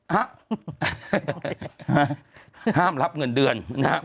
ฮะห้ามรับเงินเดือนนะครับ